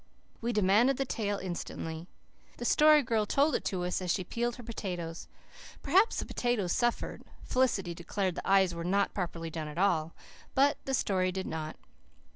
We demanded the tale instantly. The Story Girl told it to us as she peeled her potatoes. Perhaps the potatoes suffered Felicity declared the eyes were not properly done at all but the story did not.